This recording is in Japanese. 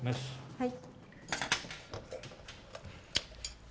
はい。